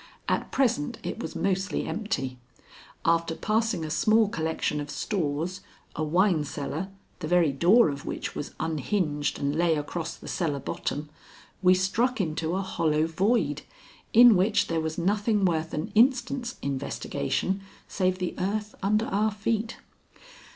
At present it was mostly empty. After passing a small collection of stores, a wine cellar, the very door of which was unhinged and lay across the cellar bottom, we struck into a hollow void, in which there was nothing worth an instant's investigation save the earth under our feet.